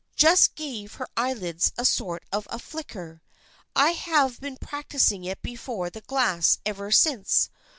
Just gave her eyelids a sort of a flicker. I have been practicing it before the glass ever since.